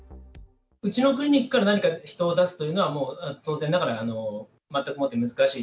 うちのクリニックから何か人を出すというのは、もう当然ながら、まったくもって難しい。